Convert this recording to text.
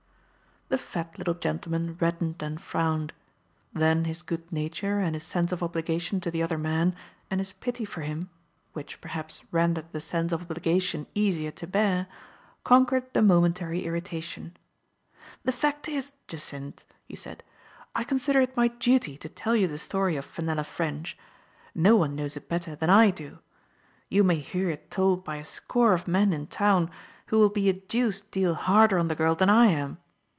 The fat little gentleman reddened and frowned. Then his good nature, and his sense of obligation to the other man, and his pity for him (which, perhaps, rendered the sense of obligation easier to bear) conquered the momentary irritation. " The fact is, Jacynth," he said, " I consider it my duty to tell you the story of Fenella Ffrench. No one knows it better than I do. You may hear it told by a score of men in town, who will be a deuced deal harder on the girl than I am.